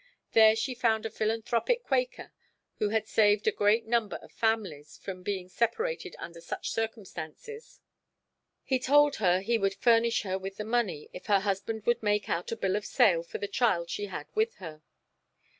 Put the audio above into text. There she found a philanthropic Quaker, who had saved a great number of families from being separated under such circumstances. He told her he would furnish her with the money if her husband would make out a bill of sale for the child she had with her.